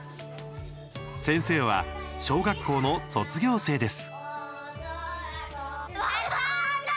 先生は小学校の卒業生です。